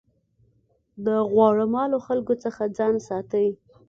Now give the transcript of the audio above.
د غوړه مالو خلکو څخه ځان ساتئ.